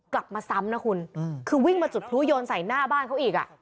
กลับมาซ้ำนะคุณคือวิ่งมาจุดพลุโยนใส่หน้าบ้านเขาอีกอ่ะ